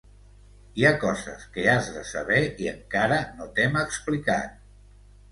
Hi ha coses que has de saber i encara no t'hem explicat.